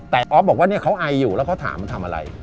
แต่ออฟบอกว่าเนี่ยเขาไออยู่แล้วเขาถามมันทำอะไร